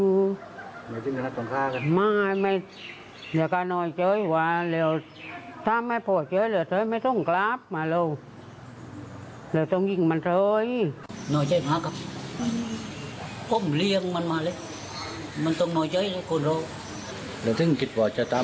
ต้องฆ่งที่ยังไม่ได้ไม่มันมีต้องกราบมาเร็วแล้วต้องยิงมันก็เอา